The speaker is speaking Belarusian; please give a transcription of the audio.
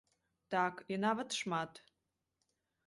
Так, і нават шмат.